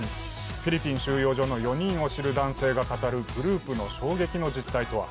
フィリピン収容所の４人を知る男性が語るグループの衝撃の実態とは。